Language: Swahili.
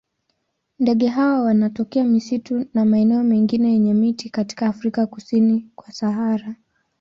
Ndege hawa wanatokea misitu na maeneo mengine yenye miti katika Afrika kusini kwa Sahara.